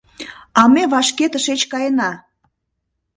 — А ме вашке тышеч каена!